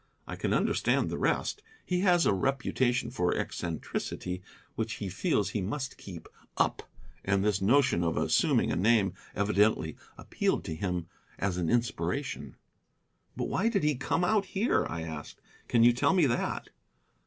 I can understand the rest. He has a reputation for eccentricity which he feels he must keep up, and this notion of assuming a name evidently appealed to him as an inspiration." "But why did he come out here?" I asked. "Can you tell me that?"